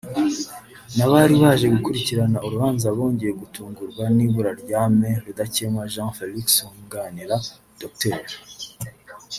n’abari baje gukurikirana Urubanza bongeye gutungurwa n’ibura rya Me Rudakemwa Jean Felix wunganira Dr